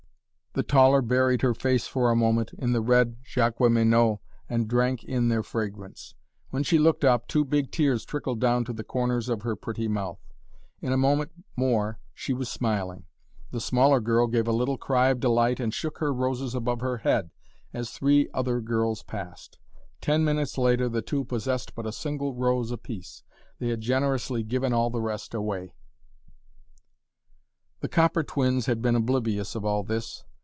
The taller buried her face for a moment in the red Jaqueminots and drank in their fragrance. When she looked up, two big tears trickled down to the corners of her pretty mouth. In a moment more she was smiling! The smaller girl gave a little cry of delight and shook her roses above her head as three other girls passed. Ten minutes later the two possessed but a single rose apiece they had generously given all the rest away. [Illustration: (portrait of woman)] The "copper twins" had been oblivious of all this.